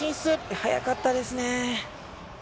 速かったですね。